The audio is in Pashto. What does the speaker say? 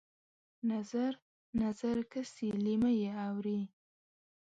نظر، نظر کسي لېمه یې اورې